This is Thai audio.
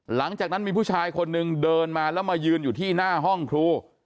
หลังจากนั้นมีผู้ชายคนนึงเดินมาแล้วมายืนอยู่ที่หน้าห้องครู